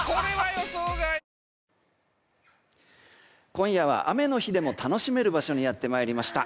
今夜は雨の日でも楽しめる場所にやってまいりました。